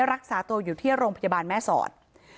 รักษาตัวอยู่ที่โรงพยาบาลแม่สอด